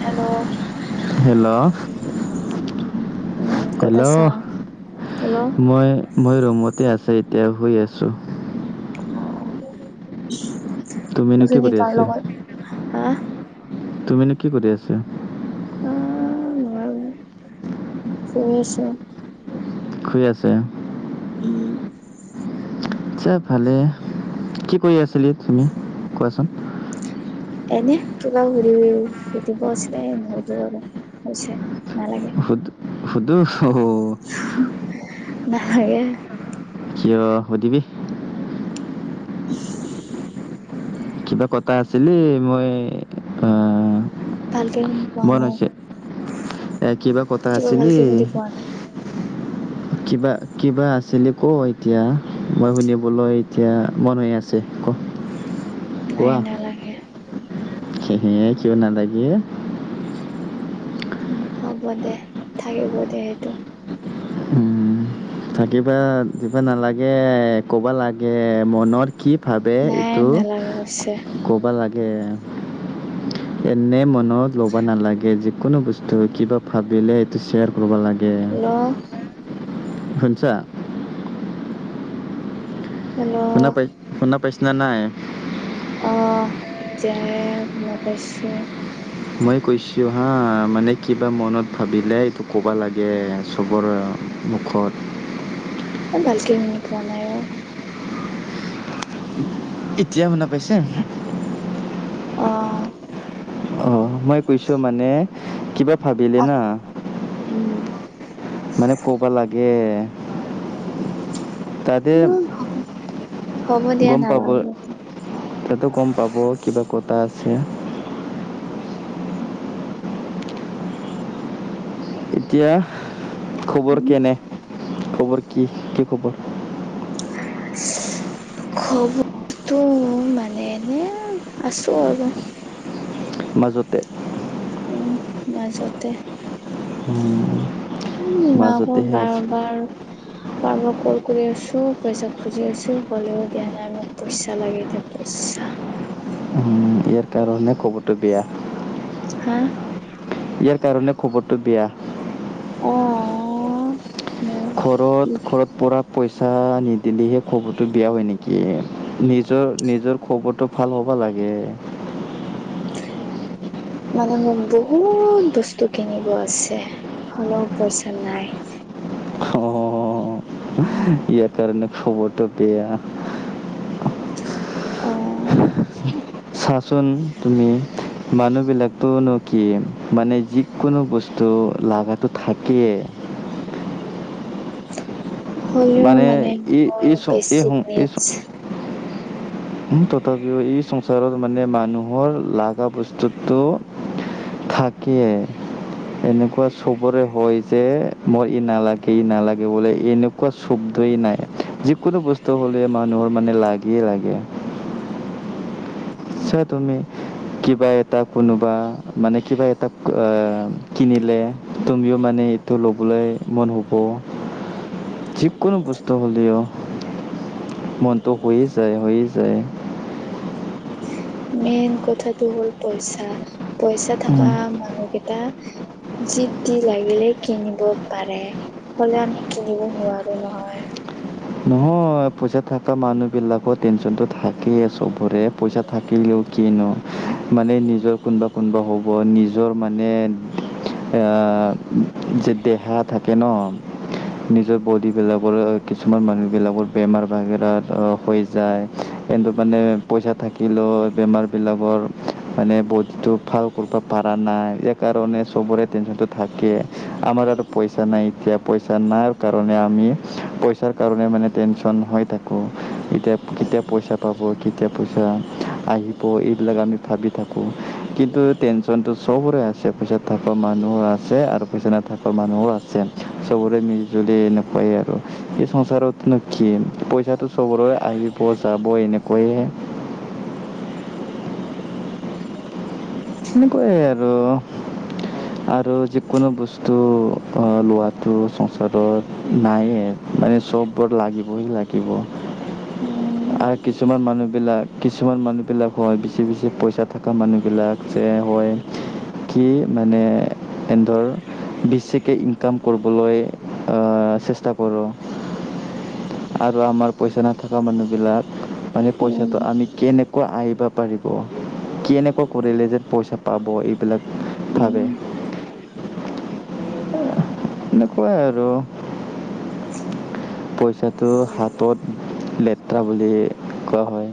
Hello. Hello, উম ক'ত আছা হেল্ল' হেল্ল' মই। মই ৰুমতে আছোঁ এতিয়া শুই আছোঁ। অ' তুমিনো কি অথনি কৰি কাৰ আছে লগত হা তুমিনো কি কৰি আছা? অহ নোৱাৰো শুনিছোঁ। শুই আছে। উম। আচ্ছা ভালে কি কৰি আছিলি তুমি কোৱাচোন। এনে কিবা সুধ-সুধিব আছিলে নোসোধোঁ আৰু। হৈছে নালাগে। সুধ সোধোঁ অ'। নালাগে। কিয় সুধিবি। [inaudible] কিবা কথা আছিলি মই আ ভালকে শুনি পোৱা মন নাই আছে এ কিবা কথা আছিলি ভালকে সুধি পোৱা [inaudible] কিবা, কিবা আছিলে ক' এতিয়া মই শুনিবলৈ এতিয়া মন হৈ আছে ক'। নাই কোৱা নালাগে। [unintelligible] কিয় নালাগে? উম হ'ব দে থাকিব দে সেইটো। উম থাকিবা দিবা নালাগে ক'বা লাগে মনত। কি ভাৱে নাই এইটো নালাগে হৈছে ক'বা লা। গে এনেই মনত ল'ব নালাগে যিকোনো বস্তু কিবা। ভাবিলে এইটো শ্বেয়াৰ কৰিব লাগে। হেল্লো'। শুনিছা। হেল্লো। শুনা পাই শুনা পাইছা নে নাই। অহ এতিয়াহে শুনা পাইছোঁ। মই কৈছো হা মানে কিবা মনত ভাবিলে এইটো ক'ব লা। গে চবৰে মুখত। এ ভালকে শুনি পোৱা নাই অহ'। এতিয়া শুনা পাইছা। অহ'। অহ' মই কৈছো মানে কিবা অ ভাবিলে না। উম। মানে ক'বা লাগে। [unintelligible] তাতে মোক হ'ব হ'ব দিয়া নালাগে। এটাতো গম পাব কিবা কটা আছে। [unintelligible] এতিয়া খবৰ কেনে খবৰ কি কি খবৰ? [unintelligible] খবৰটো মানে এনে আছো আৰু। মাজতে। উম মাজতে। উম, উম মাকৰ মাজতেহে বাৰ আছে বাৰ। বাৰবাৰ কল কৰি আছোঁ পইচা খুজি আছোঁ হ'লেও দিয়া নাই মোক পইচা লাগে এতিয়া পইচা। উম ইয়াৰ কাৰণে খবৰটো বেয়া। হে। ইয়াৰ কাৰণে খবৰটো বেয়া। অহ' অ'। মোৰ ঘৰত ঘৰত পৰা। পইচা নিদিলেহে খবৰটো বেয়া হয় নেকি নিজৰ নিজৰ। খবৰটো ভাল হ'ব লাগে। [unintelligible] মানে মোক বহুতত বস্তু কিনিব আছে। হ'লেও পইচা নাই। হে ইয়াৰ কাৰণে খবৰটো বেয়া। অও'। চা চোন তুমি। মানুহ বিলাক তোনো কি মানে যিকোনো বস্তু লাগা। তো থাকিয়ে। [unintelligible] হলেও মানে এই বৰ এই সং এই বেছি। সং এই সং [unintelligible] তথাপিও এই সংচাৰত মানে মানুহৰ লাগা বস্তুটো থাকে। এনেকুৱা চবৰে হয় যে মই ই নালাগে ই নালাগে বোলে এনেক কোৱা শব্দই নাই যিকোনো বস্তু হ'লে মানুহৰ মানে লাগেয়ে লাগে। চা তুমি কিবা এটা কোনোবা। মানে কিবা এটা ক অ' কিনিলে তুমিও মানে এইটো লবলে মন হ'ব। ব যিকোনো বস্তু হ'লেও। মনটো হৈয়ে যায় হৈয়ে যায়। মেইন কথাটো হ'ল পইচা। পইচা থাকা উম, মানুকেই এটা যিটি লাগিলেই কিনিব পাৰে। হলেও আমি কিনিব নোৱাৰো নহয়। নহয় পইচা থকা মানুহ বিলাকৰ টেনচন টো থাক থাকে চবৰে পইচা থাকিলেও কি ন মানে নিজৰ কোনোবা-কোনোবা হ'ব নি নিজৰ মানে আ, যে দেহা থাকে ন। নিজৰ বডিবিলাকৰ কিছুমান মানুহবিলাকৰ বেমাৰ বাগেৰাত অ, হৈ যায় কিন্তু মানে পইচা থাকিলেও বেমাৰবিলাকৰ মানে বহুত, সেইটো ভাল কৰিব পৰা নাই এই কাৰণে চবৰে টেনচনটো থাকে আমাৰ আৰু পইচা নাই এতিয়া পইচা নাই কাৰণে আমি, পইচাৰ কাৰণে মানে টেনচন হৈ থাকে। [inaudible] কেতিয়া-কেতিয়া পইচা পাব কেতিয়া পইচা আহিব এইবিলাক আমি ভাবি থাকো কিন্তু টেনচনটো চবৰে আছে। পইচা থকা মানুহৰ আছে আৰু পইচা নথকা মানুহৰো আছে চবৰে মিলি জুলি এনেকুৱাই আৰু। এই সংসাৰত নো কি পইচাটো চবৰে আহিব যাব এনেকুৱায়ে। [inaudible] সেনেকুৱাই আৰু। [inaudible] আৰু যিকোনো বস্তু লোৱাটো সংসাৰত নাইয়ে। মানে চব বোৰ লাগিবই লাগিব। উম, আৰু কিছুমান মানুহ বিলাক কিছুমান মানুহ বিলাক কয় বেছি-বেছি পইচা থকা মানুহ বিলাক যে হয় কি মানে। সিহঁতৰ বেছিকে ইনকাম কৰিবলৈ আ চেষ্টা কৰো। আৰু আমাৰ পইচা নথকা মানুহ বিলাক মানে উম, পইচাটো আমি কেনে কুৱা আহিব পাৰিব কেনেকুৱা কৰিলে যে পইচা পাব, এইবিলাক উম, ভাবে অ, এনেকুৱাই আৰু। পইচাটো হাতত লেতেৰা বুলি কোৱা হয়।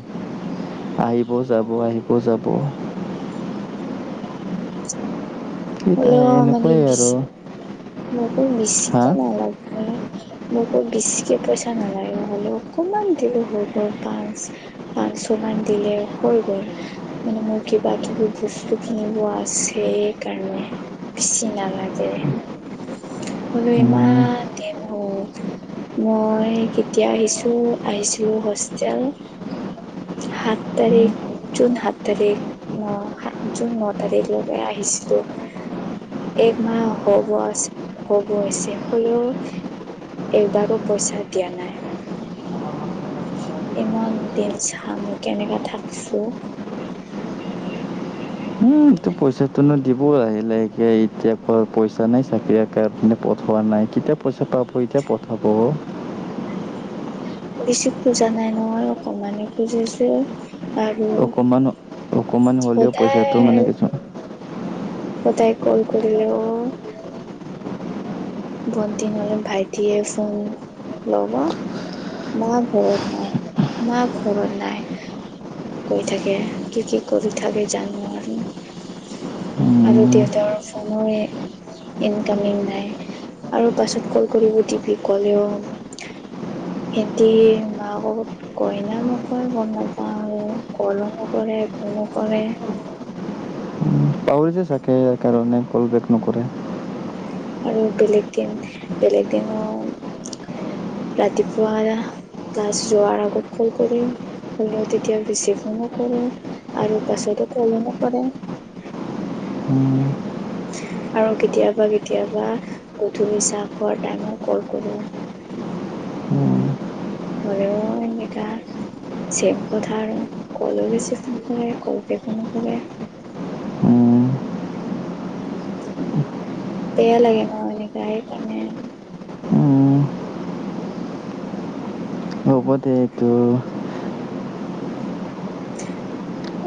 আহিব যাব, আহিব যাব। সেইটোৱে হ'লেও মানে এনেকুৱাই বিচ আৰু। মোকো হা বেছিকে নালাগে। মোকো বেছিকে পইচা নালাগে হ'লেও অকমান দিলে হৈ গ'ল পাঁচ। পাঁচ শ মান দিলে হৈ গ'ল। মানে মোৰ কিবা কিবি বস্তু কিনিব আছে এইকাৰণে। বেছি নালাগে। বোলো ইমান দিন হ'ল। মই কেতিয়া আহিছো আহিছিলো হোষ্টেল। সাত তাৰিখ। জুন সাত তাৰিখ ন জুন ন তাৰিখলৈকে আহিছিলো। এক মাহ হ'ব আছ। হ'ব হৈছে হ'লেও এবাৰো পইচা দিয়া নাই। ইমান দিন চা মই কেনেকা থাকছো। সেইটো পইচাটো নো দিব আহিলে লাহেকে সেই এতিয়া পৰা পইচা নাই চাগে এই কাৰণে। পঠোৱা নাই কেতিয়া পইচা পাব এতিয়া পঠাব। বেছি খোজা নাই নহয় অকমানে খুজিছো আৰু। অকণমান অকণমান হ'লেও সদায় পইচাটো মানে কিছুমান। সদায় কল কৰিলেও। ভন্টি নহ'লে ভাইটিয়ে ল'ব। মা ঘৰত নাই মা ঘৰত নাই। কৈ থাকে কি কি কৰি থাকে জানো আমি। আৰু উম, দেউতাৰ ফোনৰো ইনকামিং নাই। আৰু পাছত কল কৰিব দিবি কলেও। সেতি। কয়না নকয় গম নাপাওঁ আৰু কলো‌ নকৰে একো নকৰে। উম, পাহৰিছে চাগে সেই কাৰণে কল বেক নকৰে। উম বেলেগ দিন বেলেগ দিনো- ৰাতিপুৱা ক্লাছ যোৱাৰ আগত কল কৰিম। হ'লেও তেতিয়া ৰিচিপো নকৰো আৰু পাছতো কলো নকৰে। উম, আৰু কেতিয়াবা। কেতিয়াবা গধূলি চাহ খোৱাৰ টাইমত কল কৰো। উম। হ'লেও এনেকা। চেম কথা আৰু কলো ৰিচিপ নকৰে কল বেকো নকৰে। উম, বেয়া লাগে ন এনেকা সেইকাৰণে। উম হ'ব দে এইটো।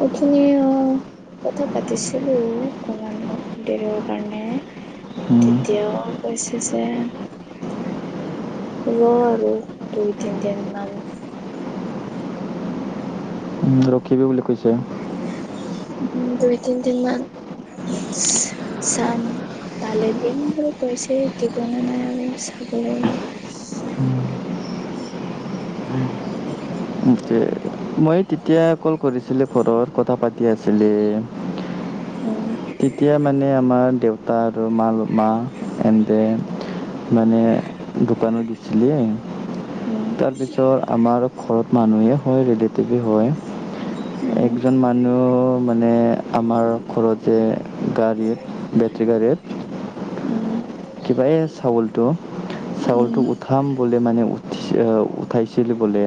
অথনি অ। কথা পাতিছিলো অকমান দেৰৰ কাৰণে। উম, তেতিয়া কৈছে যে। ৰ আৰু দুই তিনদিন মান। ৰখিব বুলি কৈছে। উম দুই তিনদিন মান চাম। পালে দিম বুলি কৈছে দিব না নাই আৰু চাব লাগিব। উম, তে- মই তেতিয়া কল কৰিছিলো ঘৰত কথা পাতি আছিলি। উম। তেতিয়া মানে আমাৰ দেউতা আৰু মা মা। এন্তে মানে দোকানত গেছিলে। উম তাৰপিছত আমাৰ ঘৰ মানুহে কয় ৰিলেটিভে কয়, উম একজন মা অ', মানে আমাৰ ঘৰত যে গাড়ীত, বেটেৰী গাড়ীত উম। কিবা‌ এই চাউলটো। চাউলটো উম উঠাম বুলি মানে, উঠি, আহ উঠাইছিল বোলে।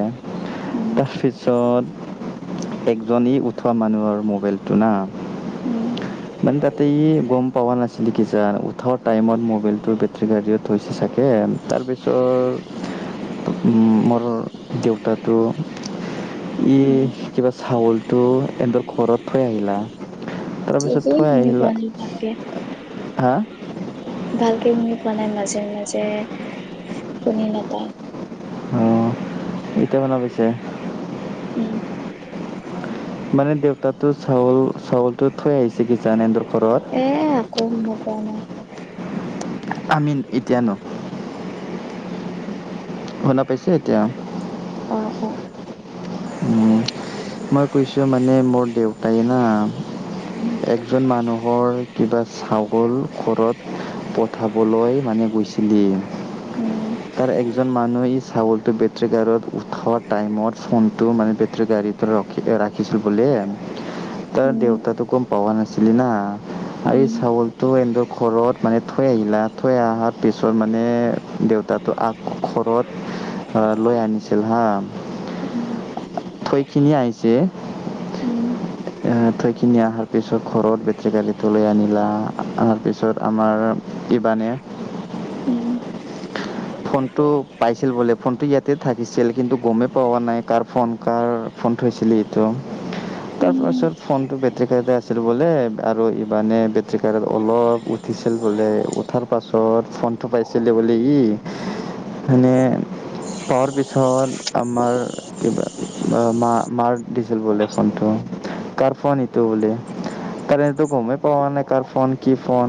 উম তাৰপিছত একজনী উঠোৱা মানুহৰ মোবাইলটো না। উম মানে তাতেই গম পাৱা নাছিলো কি যা উঠাৱা টাইমত মবাইলটো বেটেৰী গাড়ীত থৈছে চাগে। সেই আৰু, তাৰপিছৰ, ত' মোৰ দেউতাটো, ই উম কিবা চাউলটো এহেঁতৰ ঘৰত থৈ আহিলা কি তাৰেপিছত থৈ কি শুনি পোৱা আহিলা, নাই ভালকে হা? ভালকে শুনি পোৱা নাই, মাজে মাজে শুনি নাপায়। অঁ এতিয়া শুনা পাইছা? [inaudible] উম। মানে দেউতাৰতো চাউল, চাউলটো থৈ আহিছে কিজানি সেতঁতৰ ঘৰত। [unintelligible] আমি এতিয়া নকওঁ। শুনা পাইছে এতিয়া? অ অ উম, মই কৈছো মানে মোৰ দেউতাই না উম একজন মানুহৰ কিবা, ছাগল ঘৰত পঠাবলৈ মানে গৈছিলি। উম তাৰ একজন মানুহ ই চাগলটো বেটাৰী গাড়ীত উঠোৱা টাইমত ফোন ত মানে বেটাৰী গাড়ীত ৰখি ৰাখিছোঁ বোলে, তাৰ উম দেউতাটো গ'ম পোৱা নাছিল ছিল না, উম আৰু চাগলটো হিন্তঁৰ ঘৰত মানে থৈ আহিলা, থৈ আহাত পিছত মানে দেউতাটো আকৌ ঘৰত আহ', লয় আনিছিল হা। থৈকিনে আহিছে উম এ থৈখিনি অহাৰ পিছত ঘৰত বেটাৰী গাড়ীটো লৈ আনিলা, অনাৰ পিছত আমাৰ দ্ধিবানে উম। ফোনটো পাইছিল বোলে, ফোনটো ইয়াতে থাকিছিল কিন্তু গমে পোৱা নাই কাৰ ফোন, কাৰ ফোন থৈছিল এইটো। উম তাৰপাছত ফোনটো বেটাৰী গাড়ীট আছিল বোলে আৰু ইবনে বেটাৰী গাড়ীটো অলপ উঠিছিল বোলে উঠাৰ পাছত ফোনটো পাইছিলে বোলে ই। মানে পাৱাৰ পিছত আমাৰ কিবা মা, মা, মাৰ ডিজেল বোলে ফোনটো কাৰ ফোন এইটো বোলি, কাৰণতো গময়ে পাৱা নাই কাৰ ফোন, কি ফোন।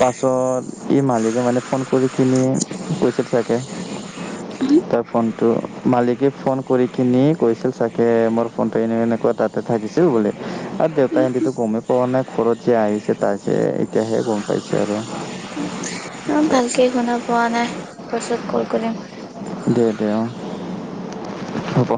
পাছত ই মালিক মানে ফোন কৰী কিনে কৈছিল চাগে, তাৰ ফোনটো মালিকে ফোন কৰি কিনি কৈছিল চাগে মোৰ ফোনটো এনে, এনেকুৱা তাতে থাকিছিল বুলি। আৰু দেউতা সেহেঁটেটো গময়ে পোৱা নাই ঘৰত যে আহিছে তাই যে এতিয়াহে গ'ম পাইছে আৰু। [inaudible] অ', ভালকে শুনা পোৱা নাই, পাছত ক'ল কৰিম। দে দে অ', হ'ব।